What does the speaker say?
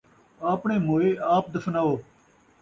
آپݨے موئے آپ دفناؤ